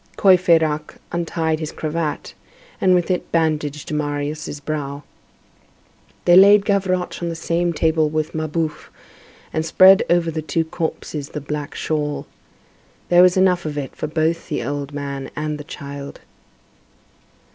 Courfeyrac untied his cravat and with it bandaged Marius' brow. They laid Gavroche on the same table with Mabeuf, and spread over the two corpses the black shawl. There was enough of it for both the old man and the child.